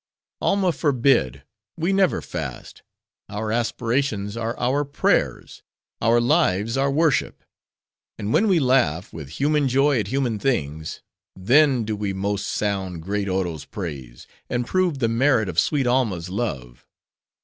"Alma forbid! We never fast; our aspirations are our prayers; our lives are worship. And when we laugh, with human joy at human things, —then do we most sound great Oro's praise, and prove the merit of sweet Alma's love!